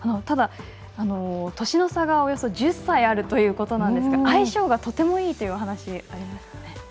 ただ、年の差がおよそ１０歳あるということですが相性がとてもいいというお話がありますね。